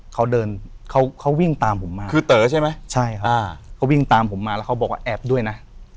เขาวิ่งตามผมมาแล้วเขาบอกว่าแอบด้วยนะ